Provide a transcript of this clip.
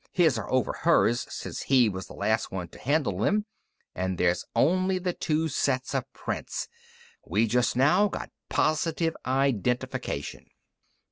His are over hers, since he was the last one to handle them, and there's only the two sets of prints! We just now got positive identification."